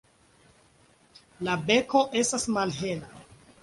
La beko estas malhela.